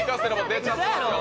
出ちゃってますよ。